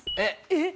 えっ？